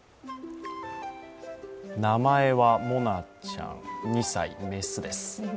名前は、もなちゃん２歳、雌です。